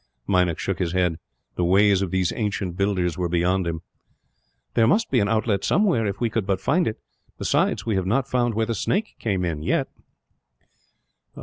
Meinik shook his head. The ways of these ancient builders were beyond him. "There must be an outlet somewhere, if we could but find it. Besides, we have not found where the snake came in, yet."